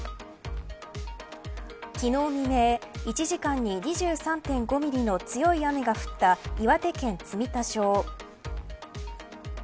昨日未明１時間に２３．５ミリの強い雨が降った岩手県住田町。